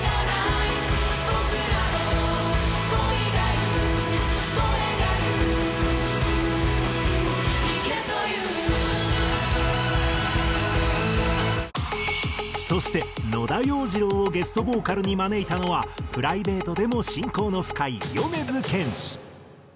「行こう」「行こう」「行こう」そして野田洋次郎をゲストボーカルに招いたのはプライベートでも親交の深い米津玄師。